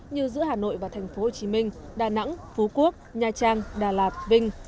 như giữa hà nội và thành phố hồ chí minh đà nẵng phú quốc nha trang đà lạt vinh